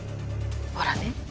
ほらね